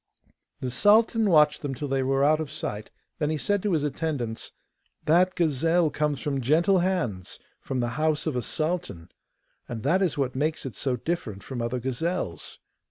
The sultan watched them till they were out of sight: then he said to his attendants, 'That gazelle comes from gentle hands, from the house of a sultan, and that is what makes it so different from other gazelles.